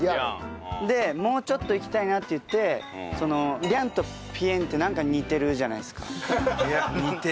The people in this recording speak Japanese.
でもうちょっといきたいなっていって「りゃん」と「ぴえん」ってなんか似てるじゃないですか。